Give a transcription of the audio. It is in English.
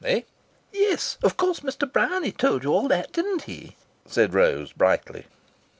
Eh?" "Yes. Of course Mr. Bryany told you all that, didn't he?" said Rose, brightly.